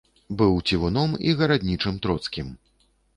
Быў цівуном і гараднічым троцкім.